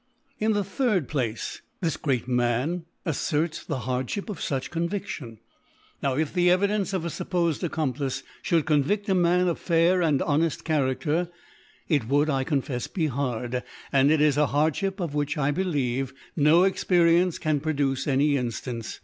In the third Place, This great Man aflerts the Hardfliip of fuch Conviftion— Now if the Evidence of a fuppofed Accom plice (hould conv«5t a Man of fair and ho neft Charader: It woulcJ, I confcfs, be hard •, and it is a Hardlhip of which, I be lieve, no Experience can produce any In ftance.